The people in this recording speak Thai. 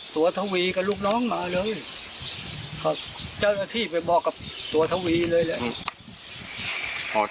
ทวีกับลูกน้องมาเลยเจ้าหน้าที่ไปบอกกับตัวทวีเลยแหละ